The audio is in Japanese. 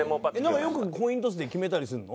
なんかよくコイントスで決めたりするの？